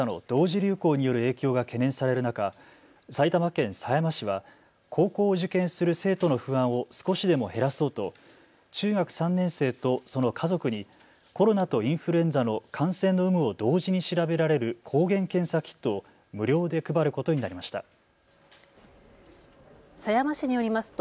流行による影響が懸念される中、埼玉県狭山市は高校を受験する生徒の不安を少しでも減らそうと中学３年生とその家族にコロナとインフルエンザの感染の有無を同時に調べられる抗原検査キットを無料で配ることになりました。